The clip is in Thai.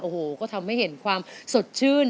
โอ้โหก็ทำให้เห็นความสดชื่น